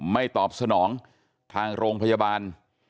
ตอบสนองทางโรงพยาบาล